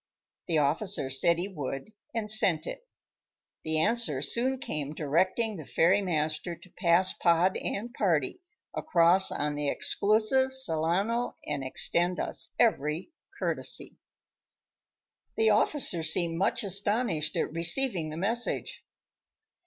The officer said he would, and sent it. The answer soon came directing the ferrymaster to pass Pod and party across on the exclusive Solano and extend us every courtesy. The officer seemed much astonished at receiving the message.